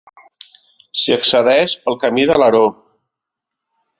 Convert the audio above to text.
S'hi accedeix pel Camí d'Alaró.